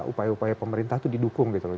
upaya upaya pemerintah itu didukung gitu loh